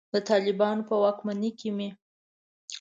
د طالبانو په واکمنۍ کې مې.